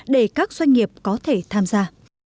để các doanh nghiệp có thể tham gia